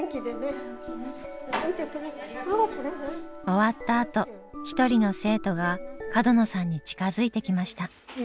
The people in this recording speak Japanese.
終わったあと一人の生徒が角野さんに近づいてきました。